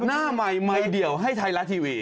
หน้าใหม่เดียวให้ทัยรัสทีวี